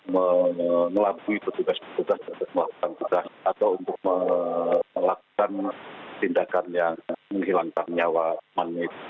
melakui petugas petugas untuk melakukan petugas atau untuk melakukan tindakan yang menghilangkan nyawa